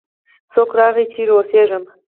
څوک راغی؟ چیرې اوسیږې؟